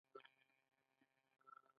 د میرمنو کار د زدکړو فرصتونه رامنځته کوي.